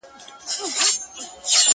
د ازل غشي ویشتلی پر ځیګر دی-